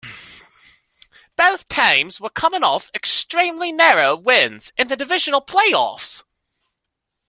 Both teams were coming off extremely narrow wins in the divisional playoffs.